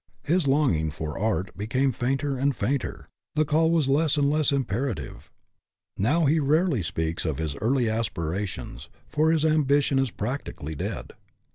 His longing for art became fainter and fainter; the call was less and less imperative. Now he rarely speaks of his early aspirations, for his ambi tion is practically dead.